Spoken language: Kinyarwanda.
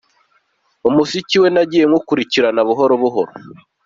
Umuziki we nagiye mukurikirana buhoro buhoro.